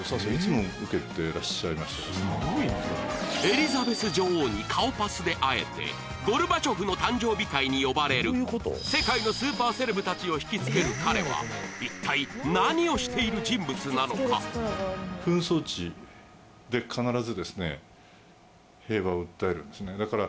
エリザベス女王に顔パスで会えてゴルバチョフの誕生日会に呼ばれる世界のスーパーセレブたちを惹きつける彼は一体だから